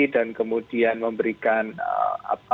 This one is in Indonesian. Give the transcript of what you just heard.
dan kemudian memberikan apa